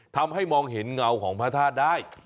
ทำให้มองเห็นเงาของพระธาตุได้